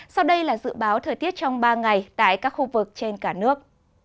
sau đây là dự báo thời tiết trong ba ngày tại các khu vực trên cả nước